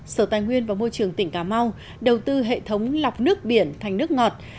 sở tài nguyên và môi trường tỉnh cà mau đầu tư hệ thống lọc nước biển thành nước ngọt